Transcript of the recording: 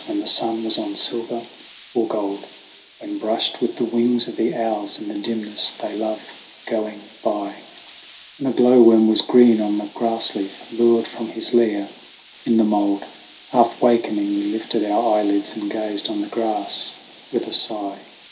When the sun was on silver or gold ; When brushed with the wings of the owls, in the dimness they love going by ; When a glow worm was green on a grass leaf lured from his lair in the mould ; Half wakening, we lifted our eyelids, and gazed on the grass with a sigh.